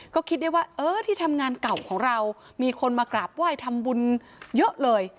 ก็คิดได้ว่าเออที่ทำงานเก่าของเรามีคนมากราบไหว้ทำบุญเยอะเลย